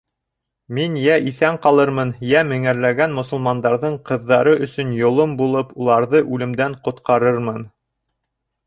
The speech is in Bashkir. Мин йә иҫән ҡалырмын, йә меңәрләгән мосолмандарҙың ҡыҙҙары өсөн йолом булып, уларҙы үлемдән ҡотҡарырмын.